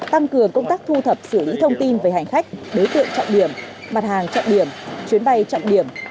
tăng cường công tác thu thập xử lý thông tin về hành khách đối tượng trọng điểm mặt hàng trọng điểm chuyến bay trọng điểm